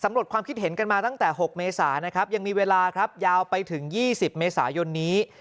สำรวจความคิดเห็นกันมาตั้งแต่๖เมษายังมีเวลายาวไปถึง๒๐เมษายนนี้